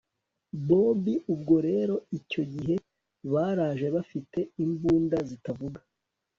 bobi ubwo rero icyo gihe baraje bafite imbunda zitavuga